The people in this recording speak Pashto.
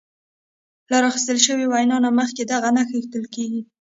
له راخیستل شوې وینا نه مخکې دغه نښه ایښودل کیږي.